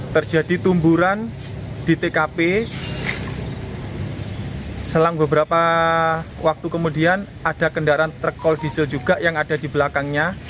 terjadi tumburan di tkp selang beberapa waktu kemudian ada kendaraan truk call diesel juga yang ada di belakangnya